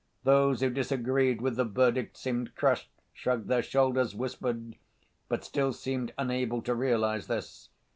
Those who disagreed with the verdict seemed crushed, shrugged their shoulders, whispered, but still seemed unable to realize this.